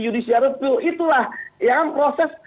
judicial review itulah yang proses